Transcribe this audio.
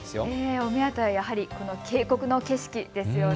お目当てはやはりこの渓谷の景色ですよね。